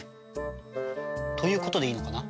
ということでいいのかな？